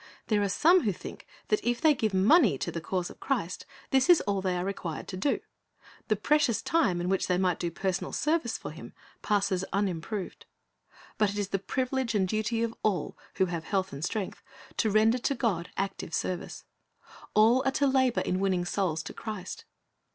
There are some who think that if they give money to the cause of Christ, this is all they are required to do; the precious time in which they might do personal service for Him passes unimproved. But it is the privilege and duty of all who have health and strength to render to God active service. All are to labor in winning souls to Christ.